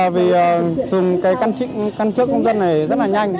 vì dùng cái căn cước công dân này rất là nhanh